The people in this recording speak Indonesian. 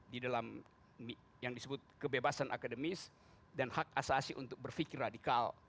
di dalam yang disebut kebebasan akademis dan hak asasi untuk berpikir radikal